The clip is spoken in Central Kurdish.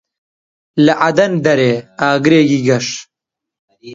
لە عەدەن دەریێ ئاگرێکی گەش